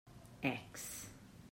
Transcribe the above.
Ecs!